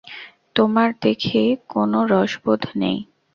তোমার দেখি কোনো রসবোধ নেই।